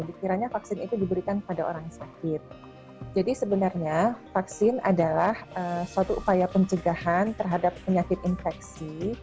dikiranya vaksin itu diberikan pada orang sakit jadi sebenarnya vaksin adalah suatu upaya pencegahan terhadap penyakit infeksi